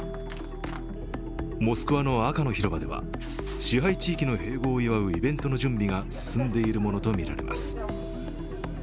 モスクワの赤の広場では支配地域の併合を祝うイベントの準備が進んでいるものとみられます。